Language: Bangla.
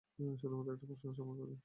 শুধুমাত্র একটা প্রশ্ন -সে আমার মেয়ে।